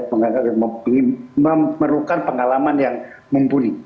membutuhkan pengalaman yang mumpuni